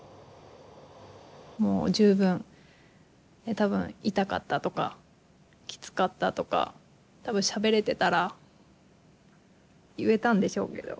もう十分多分痛かったとかきつかったとか多分しゃべれてたら言えたんでしょうけど。